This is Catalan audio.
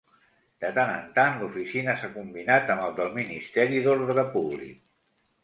De tant en tant l'oficina s'ha combinat amb el del Ministeri d'Ordre Públic.